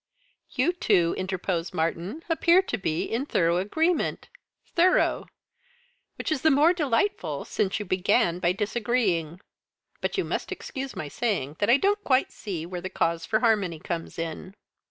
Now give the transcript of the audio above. "You two," interposed Martyn, "appear to be in thorough agreement thorough! Which is the more delightful since you began by disagreeing. But you must excuse my saying that I don't quite see where the cause for harmony comes in."